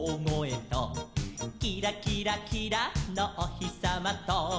「キラキラキラのおひさまと」